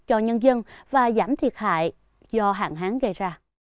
cho nhân dân và giảm thiệt hại do hạn hán gây ra